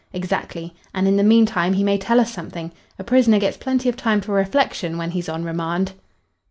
"Exactly. And in the meantime he may tell us something. A prisoner gets plenty of time for reflection when he's on remand."